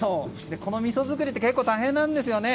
このみそ造りって結構大変なんですよね。